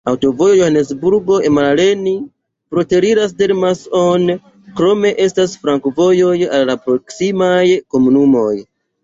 Aŭtovojo Johanesburgo-Emalahleni preteriras Delmas-on, krome estas flankovojoj al la proksimaj komunumoj.